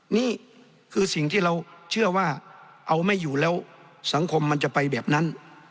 นี่คือสิ่งที่เราเชื่อว่าเอาไม่อยู่แล้วสังคมมันจะไปแบบนั้น